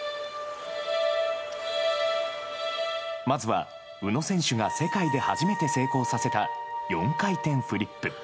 まずは宇野選手が世界で初めて成功させた、４回転フリップ。